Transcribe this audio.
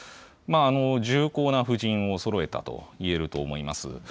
重厚な布陣をそろえたといえると思います。